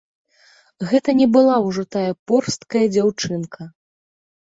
Гэта не была ўжо тая порсткая дзяўчынка.